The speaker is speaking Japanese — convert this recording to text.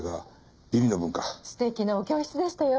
素敵なお教室でしたよ。